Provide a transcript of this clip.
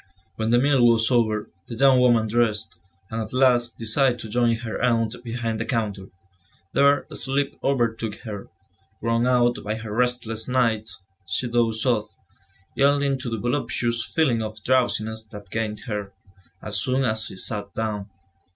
When the meal was over, the young woman dressed, and at last decided to join her aunt behind the counter. There, sleep overtook her; worn out by her restless nights, she dozed off, yielding to the voluptuous feeling of drowsiness that gained her, as soon as she sat down.